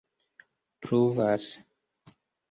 pluvas